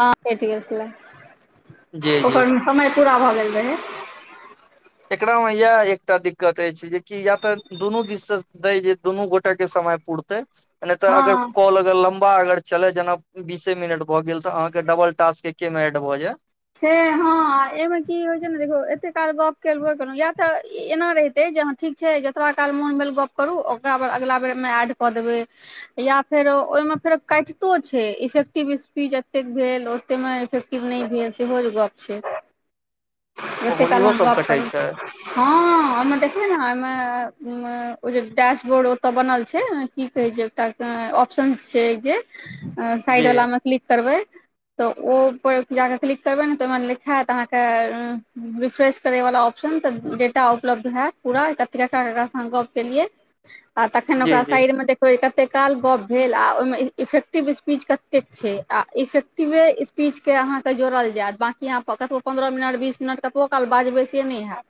हाँ भेट गेल छलै जी जी ओकर समय पूरा भऽ गेल रहै एकरा मे इएह एकटा दिक्कत अछि जेकि या तऽ दुनू दिस से दय जे दुनू गोटे के समय पूड़तै तऽ अगर हँ कोल अगर लमब बा अगर चले जेना बीसे मिनट भऽ गेल तऽ अहाँ के डबल टास्क एके मे एड भऽ जाय ह हँ एहिमे की होइ छै ने देखियौ एते काल गप करबे केलौं या तऽ एना रहिते जे ठीक छैय जतबा काल मन भेल गप्प करू ओकरा बाद अगिला बेरमे ऐड कऽ देबै या फेर ओहि मे फेरो काटितो छै इफ़ेक्टिव स्पीच एतेक भेल ओते में इफेक्टिव नहि भेल सेहो जे गप छै जतेक ओहो काल इहो अहाँ सब गप कटै करू छै हँ ओमे देखबै ने ओमे ओ जे डैशबोर्ड ओतय बनल छैय की कहै छैय एकटा ऑप्शंस छैय जे साइड जी वला मे क्लिक करबे त उ वला क्लिक करबे ने तऽ ओहिमे लिखत अहाँके रिफ्रेश करे वला ऑप्शन तऽ डेटा उपलब्ध हाएत पूरा एकत्र गप्प केलिये आ तखन जी ओकरा जी साइड में देख कते काल गप भेल आ ओहिमे इफेक्टिव स्पीच कतेक छैय आ इफेक्टिवे स्पी स्पीचके अहाँके जोड़ल जायत बकी अहाँ कतब पन्द्रह मिनट बीस मिनट कतबो काल बाजबै से नहि हैयत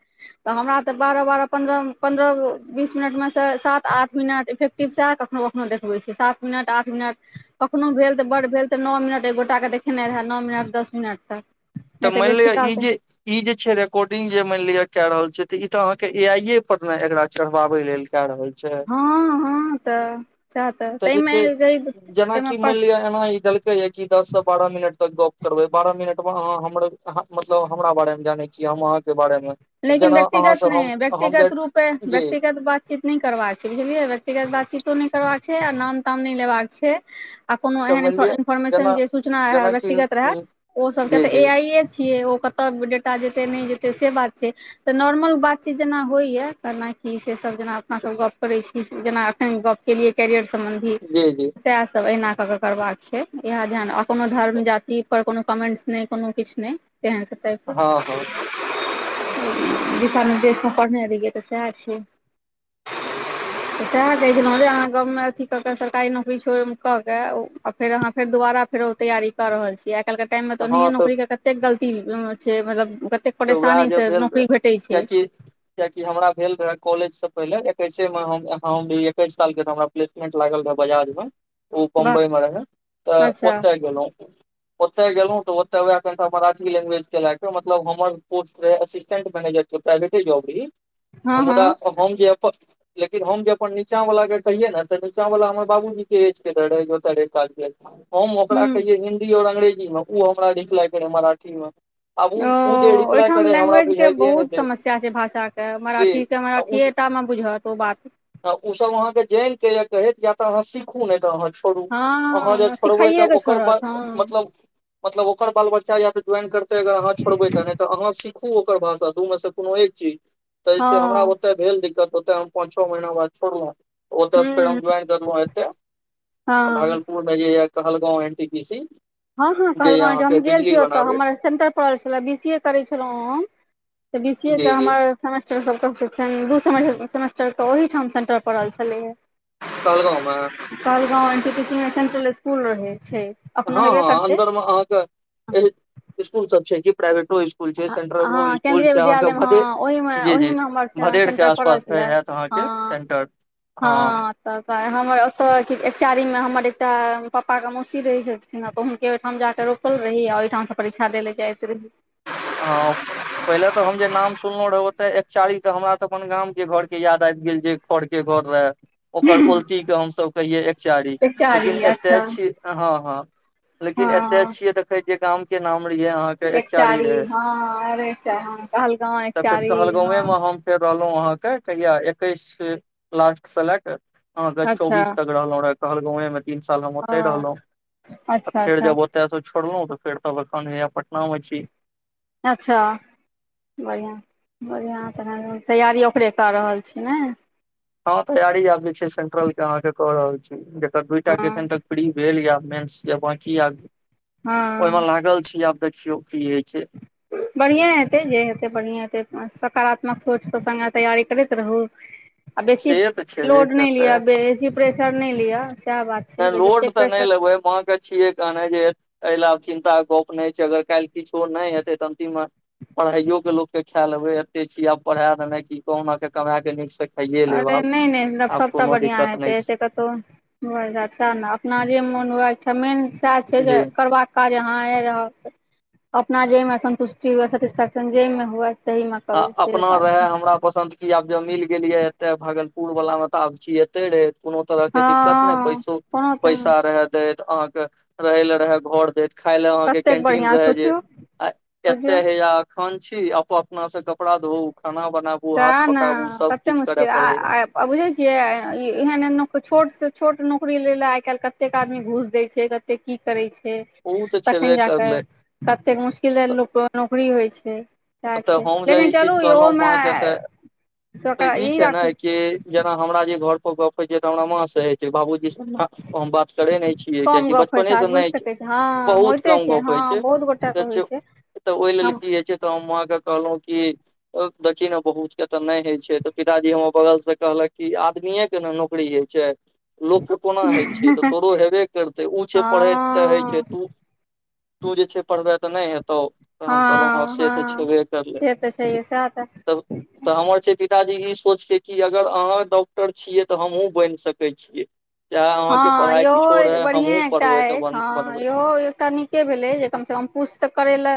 तऽ हमरा तऽ बारह बारह पन्द्रह पन्द्रह बीस मिनटमे सात आठ मिनट इेक टिप्सए कऽ कखहु कखहु देखब छियै सात मिनट आठ मिनट कखनो भेल तऽ बड़ भेल तऽ नौ मिनट एक गोटा के देखेने रहे नौ मिनट दस मिनट तक तऽ नहि मानि बेसी लिअ काल ई तऽ जे इ जे छै रेकॉर्डिंग जे मान लेे के रहल छै ते इ ते अहाँ के ए आई ए पर ने एकरा चढ़वावे ले क रहल छै छैया हँ हँ तऽ सएह तऽ त जे ताहिमे छै जेना की मैन एहिमे लिए एना ई देलकै दस से बारह मिनट तक ग करबै बारह मिनट मे अहा हम हम मतलब हमरा बारे मे जानै छीय हम अहाँके बारे मे लेकिन जेना अहाँ व्यक्तिगत से नहि हम है हम जे व्यक्तिगत रूपे जी व्यक्तिगत बात चीत नहि करबाक छै बुझलियै व्यक्तिगत बातचीतो नहि करबाक छै आ नाम ताम नहि लेबाक छै आ कोनो तऽ एहन मानि लिअ जेना इन्फॉर्मेशन जे सूचना रहै जेनाकि व्यक्तिगत रहै ओ सबके जी तऽ ए जी आइए छियै ओ कतय डेटा जेतै नहि जेतै से बात छै तऽ नॉर्मल बात चीत जेना होइए केनााकि से सब जेना अपनासभ गप करै छी जेना एखन गप केलिए कैरियर सम्बन्धी जी जी सेह सब अहिना कऽ कऽ करबाक छै इएह ध्यान आ कोनो धर्म जाति पर कोनो कमेन्ट्स नहि कोनो किछ नहि केहन छै हँ हँ तइपके दिशा निर्देशमे पढ़ने रहिये आ तऽ सएहर छीयै [inaudible] तैह कह छलहुँ जे अहाँ गाँवमे अथी कऽ के सरकारी नौकरी छोड़ कऽ के ओ फेर अहां दुबारा फेर ओ तैयारी कऽ रहल छीयै आइ काल्हके टाइममे तऽ ओनाहिये नौकरीके कतेक गलती छै मतलब कतेक तऽ उएह जे परेशानीसँ भेल नौकरी भेटै छै कियाकि कआकि हमरा भेल रहे कॉलेज से पहिले एकैसे मे हम भी एकैस साल के तऽ हमरा पलेस मेंन्ट लागरहे बाजाज मे ओ वाह बम्बई मे रहै तऽ अच्छा ओतय गेलहु ओते गेलहुँ तऽ ओते वए कनिटा मराठी लैंग्वेज के लए के मतलब हम सटेंटनेजर प्राइवेटे जॉब हँ मुदा हँ हम जे अपन लेकिन हम जे अपन नीचा वाला के कहिये ने तऽ नीचा वाला हमर बाबूजी के एज केते क हम ओकरा हूँ कहियै हिन्दी आऔर अंग्रेजी मे ओ हमरा लिखलागक रहय मराठी मे आब ओ ओ जे ओहिठाम करे हमरा लैंग्वेज के बुझाइये बहुत ने समस्या छैय भाषा के जे मराठी के मराठीएटा मे बुझत ओ बात आ ओसभ अहाँकेँ जानिके य कहैत या तऽ अहाँ सीखू नहि तऽ अहाँ छी छोड़ू अहाँ जे हँ छोड़बै तऽ सिखाइएके ओकर बाद छोड़त हँ मतलब मतलब ओकर बाल बच्चा या त ज्वान करे अगर आहाँ छोड़बै तऽ तऽ अहाँ सीखू ओकर भाषा दू मे से कोनो एक चीज तऽ जे हँ छैय हमरा ओ ओतअ भेल दिक्कत होतऽ पच छ महिना बाद छोड़ ओतअ फेर हूँ जइन करलौ है एते हँ भागलपुर मे जे या Kahalgaon N T P C हँ हँ जे कहल यए गाम अहाँके हम गेल छी बिजली तऽ बनाबैत हमर सेंटर परल छले बी सी ए करै छलहुँं हम तऽ बी सी ए के जी जी हमर सेमेस्टर सबके दू सेमेस्टरके ओहिठाम सेन्टर पड़ल छलैय कहलगाँव मे Kahalgaon n t P C मे सेंट्रल इसकुल रहै छै अखनो हाँ हेबे हाँ करतै अंन्दर में अहाँ के ए स्कूल सब छै की प्राइवेटो स्कूल इल सेंट्र हँ केंन्द्रीय विद्यालय मे स्कुलहे हँ ओहिमे जी जी ओहिमे हमर भदेड़ के सेंटर पड़ल आसपास मे छले हैत त हँ अहाँके सेंटर हँ तऽ हमर ओतऽ एकजारी मे हमर एकटा प्पाके मौसी रहै छथि सिप हुनके ओहिठाम जाकऽ रोपल रही आ ओहिठामसँ परीक्षा देल ल जाइत रही हँ पहिले तऽ हम जे नाम सुनलहुँ रह ओते एक चारी त हमरा तऽ अपन गांम के घर के याद आबि गेल जे कड़के घर रहै ओकर उलतीके हमसभ कहियै एक चारी लेकिन एकचारी एतय अच्छा छी हँ हँ लेकिन एते हँ छिये देखे जे गाम के नाम रहिये अहाँ के एकचारी एकटारी रहे हँ अरे कहलगाँव एक तऽ फेर चारी कहलगाँवे मे हँ हम तै रहलहु आहां के कहिया एक्केस सऽ लास्ट लेकआगा अच्छा चौबीस तक कहलगाँव मे तीन साल हम ओ ओते रहलो अच्छा फेर अच्छा जब एत त छोड़लहु त फेर तखन हा पटना मे छी अच्छा बढ़िआँ बढ़िआँ तऽन तैयारी ओकरे कऽ रहल छीयै ने हँ तैयारी आब जे छै सेंट्रल के अहाँ के क रहल छी जेकर दूटा के हँ एखन तक फ्री भेल या मेन बकी आब हँ ओहिमे लागल छी आब देखियौ की होय छै बढ़िएँ हेतै जे हेतै बढ़िएँ हेतै सकारात्मक सोचके संगे तैयारी करैत रहू [unintelligible] आ बेसी से तऽ छेबे लोड नहि करतै लिअ बेसी प्रेशर नहि लिअ सएह बात छै नहि लोड जतेक त नहि प्रेशर लगबै छियै कहने जे एहि लए चिन्ता गप नहि छै अगर काल्हि किछो नहि हेतै तऽ अन्तिम पढ़ाइयो के लोक के ख्याल अबे एते छी आब पढ़ा देना कि कहुना के कमा के नीक से खाइये लेब अरे आब नहि नहि आब सभटा कोनो बढ़िआँ दिक्कत नहि हेतै एत छै कतहु हो जात सएह ने अपना जे मोन हुए इच्छा मेन सएह छै जे जी करबाक यहाँ रह अपना जाहिमे सन्तुष्टि हुए सेटिस्फेक्शन जाहिमे हुए तहीमे करू से अपना बात रहे छै हमरा पसन्द क आब जब मिल गेलिये एते भागलपुर वाला मे तऽ आब छीिय एते रहे कोनो तरह के हँ दिक्कत नहि पैसो कोनो तऽ पैसा रहे दैत अहाँके रहै ले रहे घर देैत खाय ले अहाँके कतेक कैंटीन बढ़िआँ रहे जे सोचू आ बुझियौ एते हे या खन छी अप अपना से कपड़ा धो खाना बनाब सह ने कतेक मुश्किल आ या आ आ बुझै छियै एहन एहन न छोटसँ छोट नौकरी लै लए आइ काल्हि कतेक आदमी घुस दै छै कत तऽ की करै छै ओ तऽ छेबे तखन जा कऽ करलै कतेक मुश्किल लोकके नौकरी होइ छै चै तऽ छै हम जे लेकिन ई चीज चलू कहलहुँ ओहोमे माँ के तऽ सक तऽ ई य छै ने राखू कि जेना हमरा जे घर पर गप होय छै त हमरा माँ से हय छै बाबूजी से हम हम बात करे ने छी कम कियकि गप होइत बचपनेसँ हैत बुझि नहि छै सकै छी हँ बहुत होइते कम गप हँ होइ छै बहुत गोटाके होइ त छै तऽ ओहि लेल हम की होइ छै तऽ हम माँ के कहलहुँ कि देखी ने बहुतके तऽ नहि होइ छै तऽ पिताजी हमर बगल से कहलक कि आदमीे केना नौकरी होइ छै लोकके कोना होइ छै तऽ तोरो हेबे करतै ओ छै पढ़ै तऽ होइ छै हँ तु तू जे छै पढ़बे तऽ नहि हेतौ तऽ हम कहलहुँ हँ से तऽ छेबे करलै से तऽ छैहे सएह तऽ तब तऽ हमर छै पिताजी ई सोच के कि अगर अहाँ डॉक्टर छियै तऽ हमहुँ बनि सकैत छी ज हँ इहो बढ़िए हमहूँ एकटा पढ़बै तऽ अछि बन हँ बनबै इहो एकटा नीक भेल जे कम से कम पुछ तऽ करै ल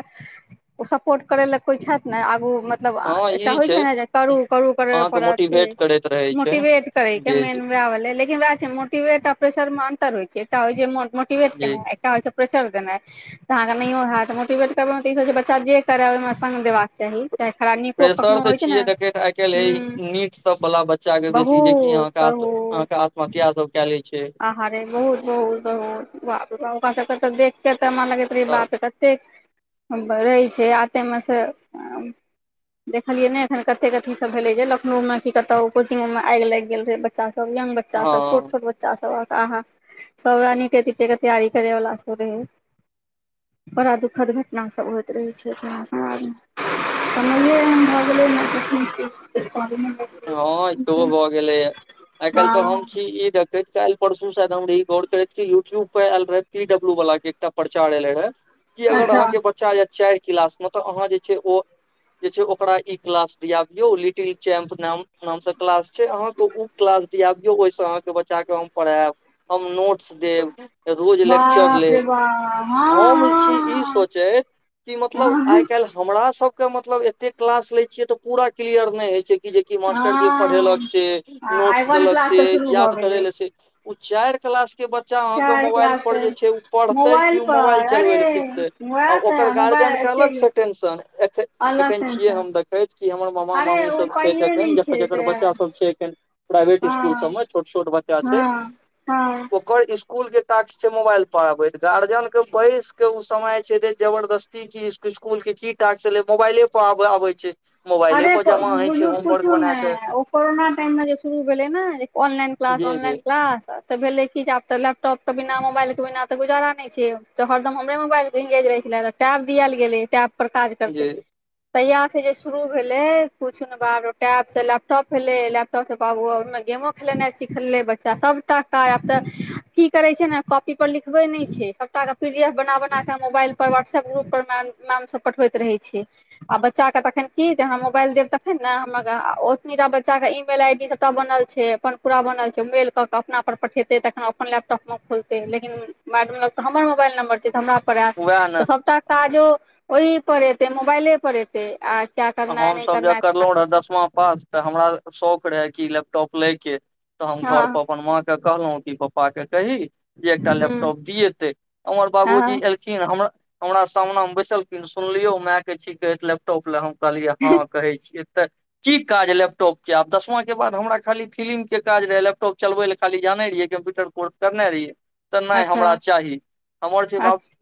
ओ सपोर्ट करै लए कोइ छथि ने आगू मतलब हँ एकटा ई होइ छै ने जे करूँ करूँ करय अहाँके पड़त छै मोटिवेट करैत रहै छै मोटिवेट करैके जे मेन वएह भेलै लेकिन वएह छै तियो एकटा प्रेसर मे अन्तर होइ छै एकटा जे मोटिवेट जे केनाइ एकटा होइछ प्रेसर देना तऽ अहाँकेँ नहियो होयतऽ मोटिवेट करब तऽ ई कह छै बच्चा जे करय ओहिमे संग देबाक चाही चाहे खराब नीको प्रेशर कखनो तऽ होइ छै छियै ने देखैत आइ हूँ काल्हि नीटसभ वला बच्चाके बेसी जेकि बहुत अहाँ के आत्महत्या सब कए ले छै आहारे बहुत बहुत बहुत‌ बाप रे बाप ओकरा सबके देख के त मन लगै बे तऽ बाप कतेक रहै छै आते मे से देखलियै ने एखन कते कथी सब भेले जे लखनोउ मे कत कोचिंगो मे आगि लागि गेल रहे बच्चा सब यंग बच बच्चा सब छोट हँ छोट बच्चा सब अहाँ सब रहय नीट के तैयारी करे वला सब रहे बड़ा दुखद घटना सब होइत रहै छै शहर समाजमे समयै एहन भए गेलै नै [unintelligible] हँ भऽ गेलैया आइ काल्हि तऽ हम हँ छी ई देख कैत कालहि परसू सादम रही गौर करैत के यूट्यूब परे आयल रहे पी डब्ल्यू वाला के एकटा प्रचार एले रहे कि अगर अच्छा अहाँके बच्चा यै चास अहाँ जे जे ओकरा ई क्लास दिया दियौ लिटिल चैम्प नाम नाम से क्लास छै अहाँके ओ क्लास दियाबियौ ओहिस अहाँके बच्चा के हम पढ़ैब हम नोट्स देब रोज लेक्चर बाप लेब रे बा हँ हम छी ई सोच चै कि मतलब हँ हँ आइ काल्हि हमरा सभके मतलब एते क्लास लै छियै तऽ पूरा क्लियर नहि होइ छै कि मास्टरजी पढ़ेलक हँ से आइ नोट्स वन देलक क्लास से शुरू भऽ याद करे गेलै ले से उ चारि क्लास के बच्चा अहाँ के चारि मोबाइल क्लास पर से जे छै उ पढ़ते मोबाइल क उ मोबाइल पर अरे चलबे ले सिखते आ वएह ओकर तऽ मोबाइल गार्जियनके एते अलगसँ टेंशन ए अलग एखन छियै टेंशन हम देखैत हमर मामा अरे मामी ओ सब छै पाइये एखन नहि छै जकर तऽ बच्चा सब छै एखन प्राइवेट स्कूल हँ सब मे छोट छोट बच्चा छै हँ हँ ओकर स्कूल के टास्क छै मोबाइल पढ़बे गार्जियन के बैस के ओ समय छै जबरदस्ती इसकुल के ठीक ठाक सेे मोबाइले पर आबे छै मोबाइले पर जमा हय धुर पुछु ने ओ कोरोना टाइम में जे शुरू भेले ने ऑनलाइन क्लास जे ऑनलाइन जे क्लास तऽ भेले कि आब तऽ लैपटॉप के बिना मोबाइल के बिना तऽ गुजारा नहि छै त हरदमरे मोबाइल इंगेज रहे छलै टैब दियैल गेलै टैब पर काज करतै जे तहिया छै जे शुरू भेलै कुछु ने बाप रे टैब से लैपटॉप भेले लैपटॉप से बाबू ओमे गेमो सिख लेनाइ सिखै बच्चा सबटा कऽ आब तऽ की करे छै ने कॉपी पर लिखबे नहि छै सब के प डी एफ बना बना के मोबाइल पर व्हाट्सप ग्रुप पर मैम सब पठबैत रहे छै आ बच्चाके तखन की जे हम मोबाइल देब तखन ने हमरा ओतनीटा बच्चाके ई मेल आई डी सबटा बनल छै अपन पूरा बनल छै मेल कऽ के अपना पर पठेतै तखन अपन लैपटॉप मे खोलतै लेकिन मैडम लंग तऽ हमर मोबाइल नम्बर तऽ हमरा पर वएह ने एतऽ सभटा काजो ओहि पर एतै मोबाइले पर एतै आ क्या करना है नहि हमसभ करना जहन है करलहुं रहे दसमा पास तऽ हमरा शौक रहे कि लैपटॉप लय के तऽ हम घर हँ पर अपन माँ तॅं कहलों की पापा कही जे एकटा हूँ लेपटॉप दियेते हमर बाबू जी हँ एल हमरा सामना मे बैसलखिन सुनलियो माय के छी लैपटॉप ले हम कहलियै हँ कहै छियै तऽ की काज लैपटॉपके आब दसमाकके बाद हमरा खाली फिलि्मके काज रहै लैपटॉप चलबै लए खाली जानै रहियै कम्प्यूटर फोर्स‌ करने रहियै तऽ नहि अच्छा हमरा चाही हमर जबाब अच्छा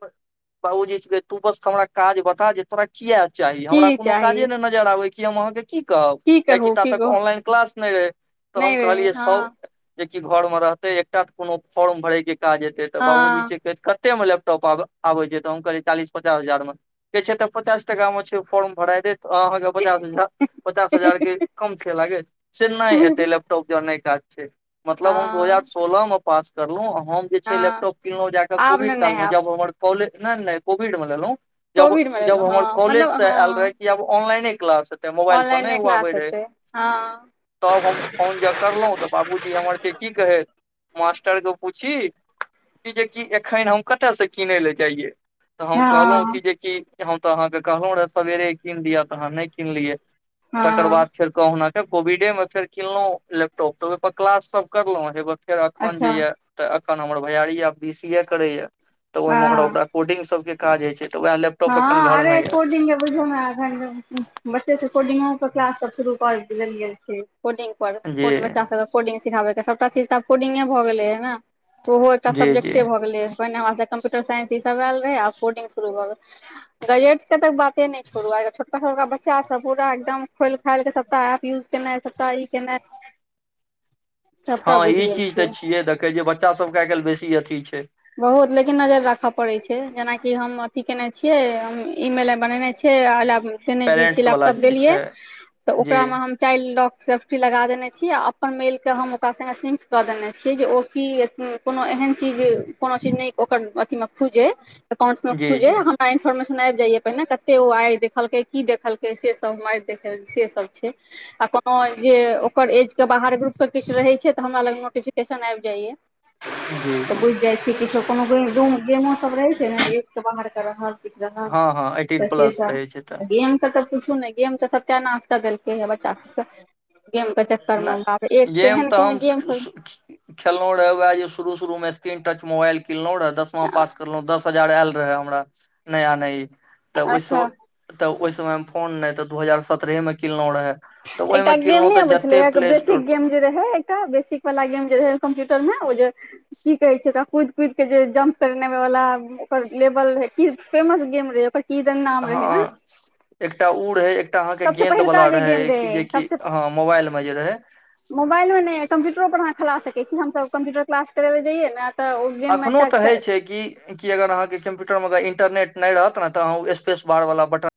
बाबूजी कहै तू बस हमरा काज बता जे तोरा किया चाही हमरा की कोनो चाही काजे नहि नजर आबै कि हम अहाँ के की कहब की कियकि कहू ता की तक कहू ऑनलाइन क्लास नहि रहै तऽ हम नहि रे कहलियै स हँ जेकि घर में रहते एकटा तऽ कोनो फॉर्म भरे के काज हेते तऽ बाबूजी हँ कहैत छैथ कत मे लैपटॉप आब आबै छै तऽ हम कहलियै चालीस पचास हजार मे कहै छै तऽ पचास टका मे छै ओ फोर्म भरै देब अहाँके पचास हजार पचास हजार के कम छै लागे से नहि एतै हँ लैपटॉप जे नहि काज छै मतलब हम दू हजार सोलह मे पास करलहुँ हम जे छै हँ लैपटॉप किनलहुँ जाकऽ आब कोविड ने नहि काल मे हैब जब हमर कॉलेज नहि नहि कोविड मे लेलहु जब कोविड मे जब लेलहुँ हमर हँ कॉलेज मतलब हँ से आयल रहय कि आब अनलाइने क्लास हेतै मोबाइल पर नै ऑनलाइने उ क्लास आबैत रहत हेतै हँ तब हम फोन ज करलौ तऽ बाबूजी हमर छै की कहै मास्टरके पूछहि जेकि एखन हम कतयसँ किनै लए जाइयै तऽ हम कहलहुँ कि हँ जेकि हम तऽ अहाँके कहलहुँ रहए सवेरे कीन लिअ तऽ अहाँ नहि कीनलियै तकर हँ बाद फेर कहुना फेर कोविडे मे फेर किनलहुँ लैपटॉप तऽ ओहिपर क्लास सब करलहुँ हे फेर अखन जे अच्छा यए तऽ अखन हमर भैयारी आब बी सी ए करे या तऽ ओहिमे ओकरा हँ ओकरा कोर्डिंग सब के काज होय छै तऽ उएहे लैप हँ अरे कोडि के बुझयो न एखन बच्चे सब कोडिंगो पर क्लास सब शुरू कर देल गेल छै कोडिंग पर कोन जी बच्चा सबके कोडिंग सिखाबेके सबटा चीज तऽ आब कोडिंगे भऽ गेल ह ने ओहो एकटा जी जी सब्जेक्टे भऽ गेलै ह पहिने हमरा सब कं्प्यूटर साइंस ई सब आयल रहे आ कोडिंग शू भए गेल ग्रुए के बाद नहि छोड़ छोटका छोटका बच्चा सब पूरा एकदम खोइल खाइल क सबटा एप यूज केना सबटा ई केनाइ सबटा हँ बुझि ई गेल चीज छै तऽ छिय देखे छी बच्चा सबके आइाल्हि बेसी अथी छै बहुत लेकिन नजरि राखय पड़ैत छै जेनाकि हम अथी केने छियै हम ई मेल आ बनेने छीियै छै केने जे छियै पेरेंट्स वाला लैपटॉप जे देलिये छै त जी ओकरा मे हम चाइल्ड लॉक सेफ्टी लगा देने छीयै आ अपन मेलके हम ओकरा सङ्गे सिंक कऽ देने छियै जे ओ की कोनो एहन चीज कोनो चीज नइ अथी मे खूजे ओकर एकाउन्ट मे जी खूजे जी हम सबटा इन्फॉर्मेशन आबि जाइय पहिने कते ओ आइ देखलकै की देखलकै से सब हम आ देख से सब छै आ कोन ह जे ओकर एज के बाहर ग्रुप के किछु रहै छै तऽ हमरा लग नोटिफिकेशन आबि जाइया जी तऽ जी बुझि जाइ छीय किछो कोनो गेमो सब रहे छै ने एक से बाहर के रहल हँ हँ एटीन त से प्लस सब रहै छै तऽ गेम के तऽ पूछू ने गेम तऽ सबटा नास देलकै ह बच्चा सबके गेम के चक्कर मे बाप एक नहि केहन केहन गेम सब खेललो रहे वएह जे शुरू शुरू मे स्क्रीन टच मोबाइल कीनलों रहे दसमा पास करलों दस हजार आयल रहय हमरा नया नय तऽ ओहिसँ अच्छा तऽ ओहि समय मे फोन न ते दू हजार सत्ररे में किनलो रहे तऽ एकटा ओहिमे किनलहुं तऽ जते प्ले स्टोर पर रहे त बेसीक वला गेम जे रहै कम्प्यूटर मे की कहै छै कुद कुद के जे जं्प करने वालला ओकर लेवल रहे क फेमस गेम रहे ओकर की दन नाम रहै ने हँ एकटा उ रहै एक एकटा अहाँके सबसँ गेंन्द पहिलका वालला जे रहै गेम कि जेकि सबसँ ह मोबाइल मे जे रहै मोबाइलमे नहि कम्प्यूटरो पर अह खेला सकैत छी हमसभ कम्प्यूटर क्लास करेबै जइय ने तऽ ओ गेममे एखनोहु तऽ एकटा होइ छै कि क अगर अहाँके कम्प्यूटर मे अग इन्टरनेट नहि रहत ने तऽ अह ओ स्पेस बार वला बटन